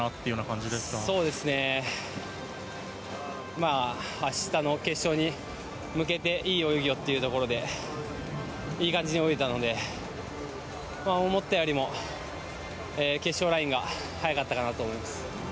まあ、明日の決勝に向けていい泳ぎをっていうところでいい感じに泳いでいたので思ったよりも決勝ラインが速かったかなと思います。